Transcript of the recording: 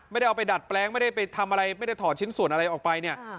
ไม่ได้เอาไปดัดแปลงไม่ได้ไปทำอะไรไม่ได้ถอดชิ้นส่วนอะไรออกไปเนี่ย